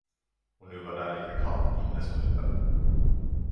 Och nu var där lika kallt inne som ute.